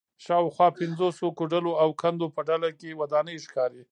شاوخوا پنځوسو کوډلو او کندو په ډله کې ودانۍ ښکاري